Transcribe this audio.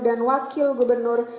dan wakil gubernur